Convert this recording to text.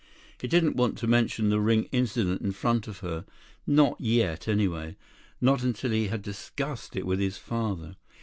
He didn't want to mention the ring incident in front of her. Not yet, anyway. Not until he had discussed it with his father.